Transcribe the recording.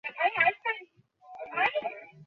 লোকটাকে মারলি কেন?